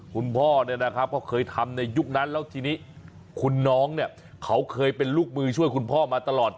คุณพ่อเขาเคยทำในยุคนั้นแล้วทีนี้คุณน้องเขาเคยเป็นลูกมือช่วยคุณพ่อมาตลอด